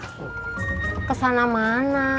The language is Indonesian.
disuruh kesini malah kesana